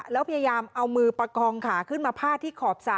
แล้วพยายามเอามือประกองขาขึ้นมาพาดที่ขอบสระ